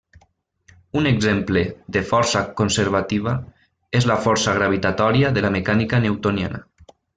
Un exemple de força conservativa és la força gravitatòria de la mecànica newtoniana.